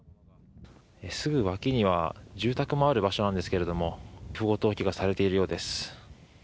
すぐ脇には住宅もある場所なんですが不法投棄がされているようです。